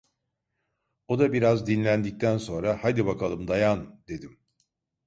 O da biraz dinlendikten sonra: 'Haydi bakalım dayan!' dedim.